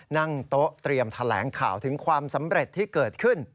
นั่งโต๊ะเตรียมแถลงข่าวถึงความสำเร็จที่เกิดขึ้น